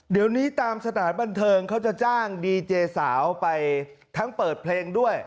เดี๋ยวนี้ตามสถานบันเทิงเขาจะจ้างดีเจสาวไปทั้งเปิดเพลงด้วย